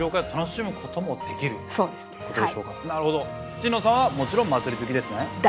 陳野さんはもちろん祭り好きですね？